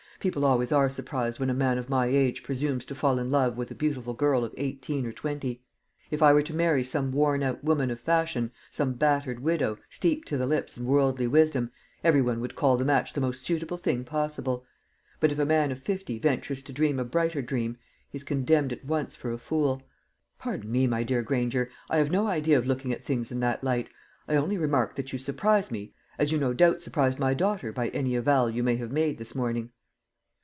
People always are surprised when a man of my age presumes to fall in love with a beautiful girl of eighteen or twenty. If I were to marry some worn out woman of fashion, some battered widow, steeped to the lips in worldly wisdom, every one would call the match the most suitable thing possible. But if a man of fifty ventures to dream a brighter dream, he is condemned at once for a fool." "Pardon me, my dear Granger; I have no idea of looking at things in that light. I only remark that you surprise me, as you no doubt surprised my daughter by any avowal you may have made this morning."